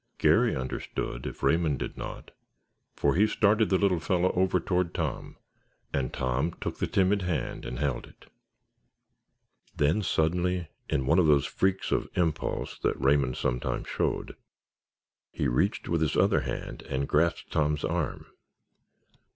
Garry understood, if Raymond did not, for he started the little fellow over toward Tom, and Tom took the timid hand and held it. Then suddenly, in one of those freaks of impulse that Raymond sometimes showed, he reached with his other hand and grasped Tom's arm.